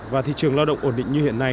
và thị trường lao động ổn định như hiện nay